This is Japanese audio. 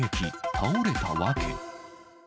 倒れた訳。